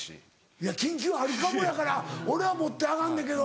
いや緊急あるかもやから俺は持って上がんねんけど。